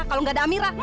kalau gak ada amira